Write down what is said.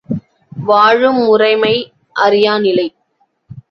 வாழும் முறைமை அறியாநிலை!